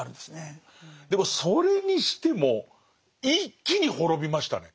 でもそれにしても一気に滅びましたね。